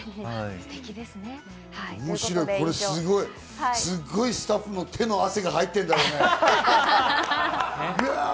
これすごいスタッフの手の汗が入ってるんだろうね。